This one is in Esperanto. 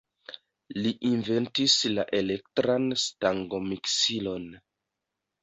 Li inventis la elektran stangomiksilon.